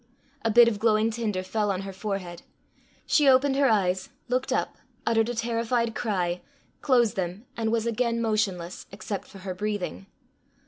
A bit of glowing tinder fell on her forehead. She opened her eyes, looked up, uttered a terrified cry, closed them, and was again motionless, except for her breathing.